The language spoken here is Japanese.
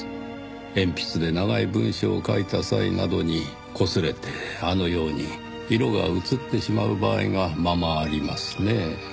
鉛筆で長い文章を書いた際などにこすれてあのように色が移ってしまう場合がままありますねぇ。